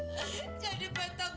petek enggak pak